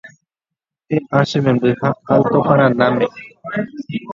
E'a che memby ha Alto Paranáme